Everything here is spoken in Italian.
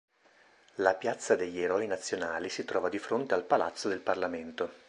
La piazza degli eroi nazionali si trova di fronte al palazzo del parlamento.